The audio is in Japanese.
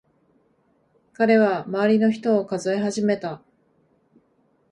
彼は周りの人を数え始めた。